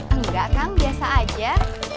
enggak kang biasa aja